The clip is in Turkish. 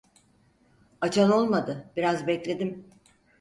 Açan olmadı. Biraz bekledim.